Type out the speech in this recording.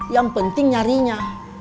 yang penting nyarinya